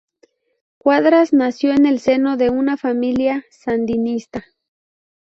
Cuadras nació en el seno de una familia sandinista.